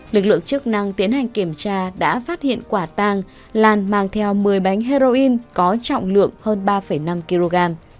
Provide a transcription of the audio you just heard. lực lượng chức năng tiến hành kiểm tra đã phát hiện quả tang lan mang theo một mươi bánh heroin có trọng lượng hơn ba năm kg